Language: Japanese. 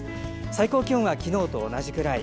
最高気温は昨日と同じくらい。